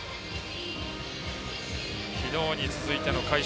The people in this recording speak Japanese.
昨日に続いての快勝。